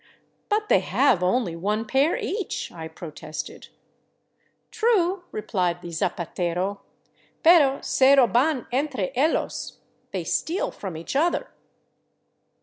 " But they have only one pair each," I protested. " True," replied the zapatero, " pero se roban entre ellos — they steal from each other."